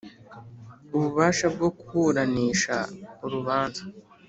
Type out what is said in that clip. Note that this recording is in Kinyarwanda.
ububasha bwo kuburanisha urubanza .